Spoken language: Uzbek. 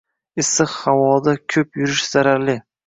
issiq havoda ko`p yurish zararli